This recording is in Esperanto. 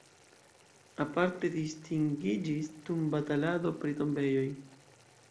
Aparte distingiĝis dum batalado pri tombejoj.